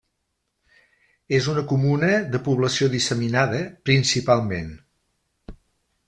És una comuna de població disseminada, principalment.